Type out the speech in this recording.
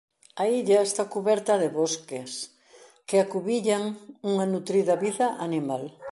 A illa esta cuberta de bosques que acubillan unha nutrida vida animal.